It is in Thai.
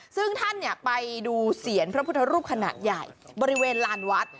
ซึ่งท่านไปดูเสียงพระพุทธรูปขนาดใหญ่บริเวณลานวัด